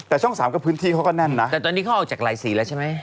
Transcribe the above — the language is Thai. แต่ช่องสามกับพื้นที่เขาก็แน่นนะแต่ตอนนี้เขาออกจากหลายสีแล้วใช่ไหม